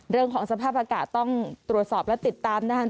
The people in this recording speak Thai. เรื่องของสภาพอากาศต้องตรวจสอบและติดตามนะครับ